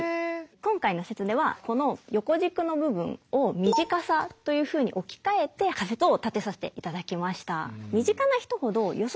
今回の説ではこの横軸の部分を身近さというふうに置き換えて仮説を立てさせていただきました。